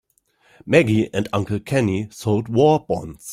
Maggie and Uncle Kenny sold war bonds.